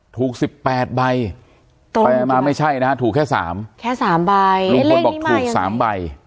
ถูกสิบแปดใบแปลมาไม่ใช่นะฮะถูกแค่สามแค่สามใบลุงพลบอกถูกสามใบ